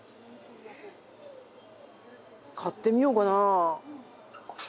買ってみようかなあ。